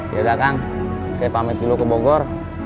ya udah kang saya pamit dulu ke bogor